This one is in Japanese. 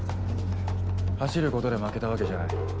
走ることで負けたわけじゃない。